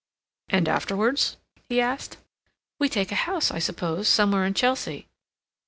"And afterwards?" he asked. "We take a house, I suppose, somewhere in Chelsea."